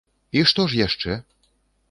І што ж яшчэ?